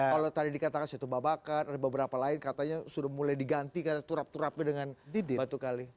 kalau tadi dikatakan sudah itu babakat ada beberapa lain katanya sudah mulai diganti turap turapnya dengan batu kali